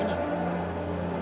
kamu harus berhati hati